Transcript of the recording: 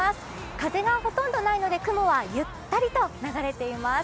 風がほとんどないので、雲はゆったりと流れています。